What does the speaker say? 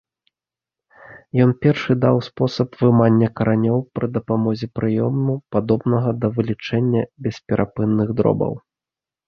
Ён першы даў спосаб вымання каранёў пры дапамозе прыёму, падобнага на вылічэнне бесперапынных дробаў.